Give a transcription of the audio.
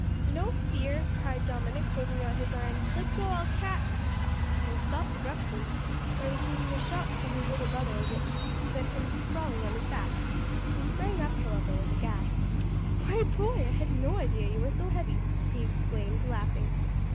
"No fear," cried Dominick, holding out his arms, "let go, I'll cat " He was stopped abruptly by receiving a shock from his little brother which sent him sprawling on his back. He sprang up, however, with a gasp. "Why, boy, I had no idea you were so heavy," he exclaimed, laughing.